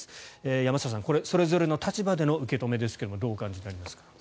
山下さん、これはそれぞれの立場での受け止めですがどうお感じですか？